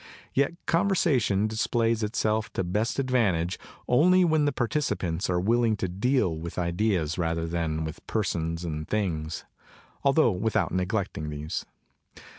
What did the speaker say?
Yet conversation displays it self to best advantage only when the participants are willing to deal with ideas, rather than with persons and things, altho without neglecting these.